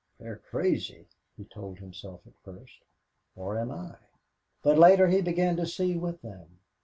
"They're crazy," he told himself at first, "or I am." But later he began to see with them.